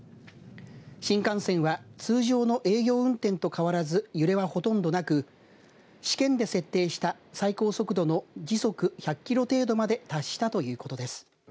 新幹線は通常の営業運転と変わらず揺れは、ほとんどなく試験で設定した最高速度の時速１００キロ程度まで達したということです。